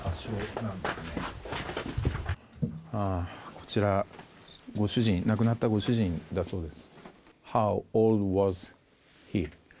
こちら亡くなったご主人だそうです。